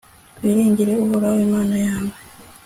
twingingire uhoraho, imana yawe